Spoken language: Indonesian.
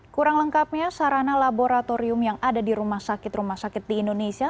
kurang lengkapnya sarana laboratorium yang ada di rumah sakit rumah sakit di indonesia